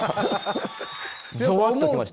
ぞわっときました。